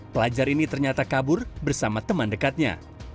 pelajar ini ternyata kabur bersama teman dekatnya